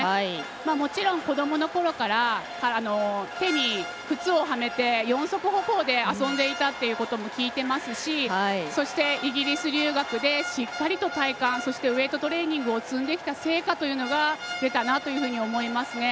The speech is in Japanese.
もちろん子どものころから手に靴をはめて四足歩行で遊んでいたということもきいていますしそして、イギリス留学でしっかりと体幹そしてウエイトトレーニングを積んできた成果というのが出たと思いますね。